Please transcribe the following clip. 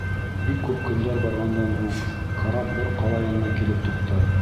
Бик күп көндәр барғандан һуң, карап бер ҡала янына килеп туҡтай.